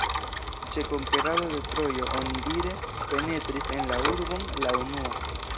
Ĉe konkerado de Trojo onidire penetris en la urbon la unua.